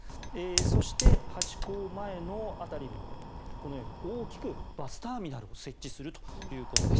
そして、ハチ公前の辺りもこのように大きくバスターミナルを設置するということです。